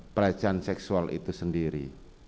pelecehan seksual itu sendiri